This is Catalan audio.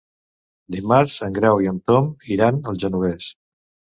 Dimarts en Grau i en Tom iran al Genovés.